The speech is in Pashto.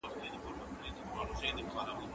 زه هره ورځ چپنه پاکوم!!